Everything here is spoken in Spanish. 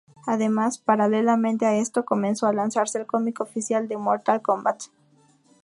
Además, paralelamente a esto, comenzó a lanzarse el cómic oficial de Mortal Kombat.